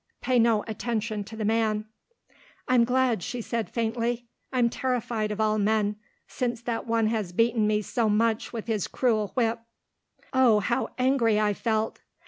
Pay no attention to the man." "I'm glad," she said faintly. "I'm terrified of all men, since that one has beaten me so much with his cruel whip." Oh, how angry I felt.